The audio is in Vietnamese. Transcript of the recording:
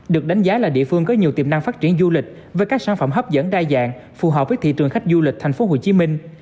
được đánh giá là địa phương có nhiều tiềm năng phát triển du lịch với các sản phẩm hấp dẫn đa dạng phù hợp với thị trường khách du lịch thành phố hồ chí minh